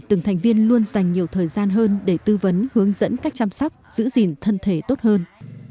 từng thành viên luôn dành nhiều thời gian hơn để tư vấn hướng dẫn cách chăm sóc giữ gìn thân thể tốt hơn